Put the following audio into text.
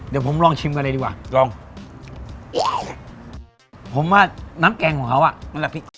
เดี๋ยวผมลองชิมกันเลยดีกว่าลองผมว่าน้ำแกงของเขาอ่ะ